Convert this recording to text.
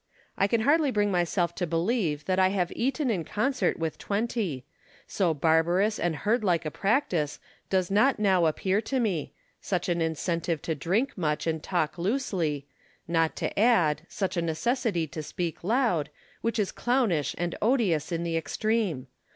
I can hardly bring myself to believe that I have eaten in concert with twenty ; so barbarous and herdlike a practice does not now appear to me — such an incentive to drink much and talk loosely ; not to add, such a necessity to speak loud, which is clownish and odious in the extreme.